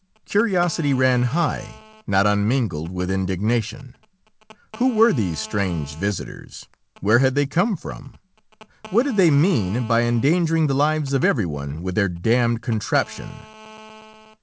Curiosity ran high, not unmingled with indignation. Who were these strange visitors? Where had they come from? What did they mean by endangering the lives of everyone, with their damned contraption?